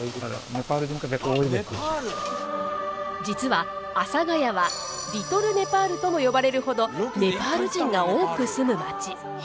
実は、阿佐ヶ谷はリトルネパールとも呼ばれるほどネパール人が多く住む街。